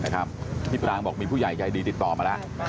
พี่ปรางบอกมีผู้ใหญ่ใจดีติดต่อมาแล้ว